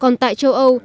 còn tại châu âu